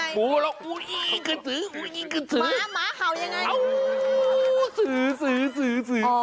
หมูหมูเล่ายังไง